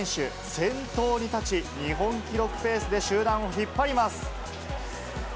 先頭に立ち、日本記録ペースで集団を引っ張ります。